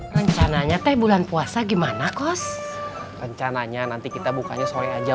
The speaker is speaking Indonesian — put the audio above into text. rencananya teh bulan puasa gimana cos rencananya nanti kita bukanya sore aja